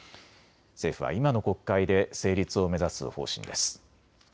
政府は今の国会で成立を目指す方針です。